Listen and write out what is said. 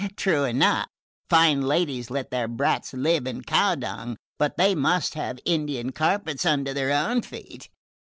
True enough fine ladies let their brats live in cow dung, but they must have Indian carpets under their own feet.